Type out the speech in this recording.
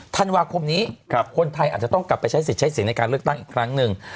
ธันวาคมนี้คนไทยอาจจะต้องกลับไปใช้สิทธิ์ใช้เสียงในการเลือกตั้งอีกครั้งหนึ่ง